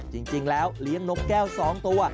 จริงแล้วเลี้ยงนกแก้ว๒ตัว